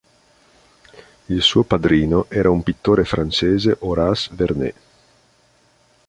Il suo padrino era un pittore francese Horace Vernet.